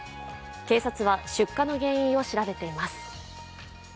警察は出火の原因を調べています。